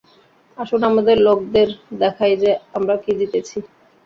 আসুন আমাদের লোকদের দেখাই যে আমরা কী জিতেছি।